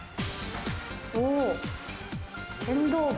お剣道部。